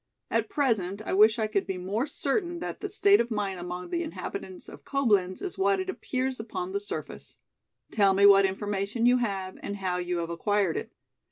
At present I wish I could be more certain that the state of mind among the inhabitants of Coblenz is what it appears upon the surface. Tell me what information you have and how you have acquired it.